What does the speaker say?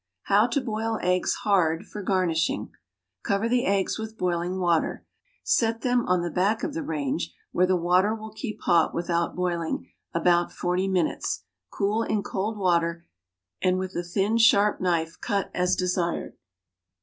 =How to Boil Eggs Hard for Garnishing.= Cover the eggs with boiling water. Set them on the back of the range, where the water will keep hot without boiling, about forty minutes. Cool in cold water, and with a thin, sharp knife cut as desired.